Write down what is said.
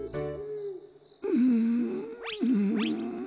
うんうん。